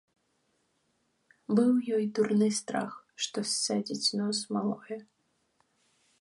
Быў ёй дурны страх, што ссадзіць нос малое.